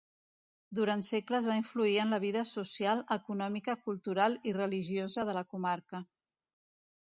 Durant segles va influir en la vida social, econòmica, cultural i religiosa de la comarca.